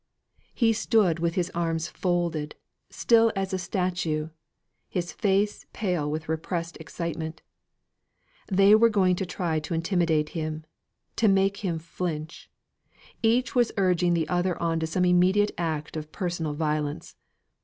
He stood with his arms folded; still as a statue; his face pale with repressed excitement. They were trying to intimidate him to make him flinch; each was urging the other on to some immediate act of personal violence.